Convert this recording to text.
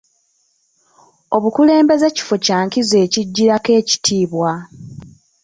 Obukulembeze kifo kya nkizo ekijjirako ekitiibwa.